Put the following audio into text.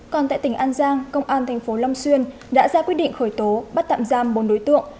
còn tại tỉnh an giang công an thành phố long xuyên đã ra quyết định khởi tố bắt tạm giam bốn đối tượng